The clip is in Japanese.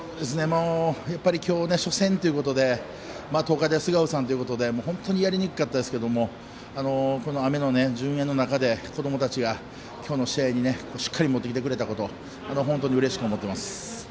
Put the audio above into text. きょう初戦ということで東海大菅生さんということで本当にやりにくかったですけど雨の順延の中、子どもたちがきょうの試合にしっかり持ってきてくれたこと本当にうれしく思っています。